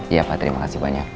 iya pak terima kasih banyak